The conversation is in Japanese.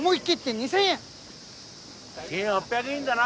１，８００円だな。